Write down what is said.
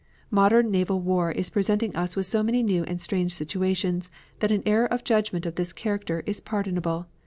Modern naval war is presenting us with so many new and strange situations that an error of judgment of this character is pardonable.